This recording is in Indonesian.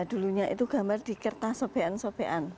waktu itu gambar di kertas sopean sopean